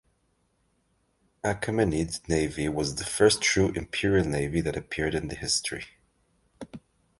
Achaemenid navy was the first true "imperial navy" that appeared in the history.